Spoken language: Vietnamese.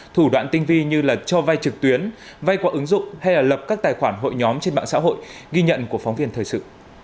thủ đoạn tinh vi như cho vai trực tuyến vay qua ứng dụng hay là lập các tài khoản hội nhóm trên mạng xã hội ghi nhận của phóng viên thời sự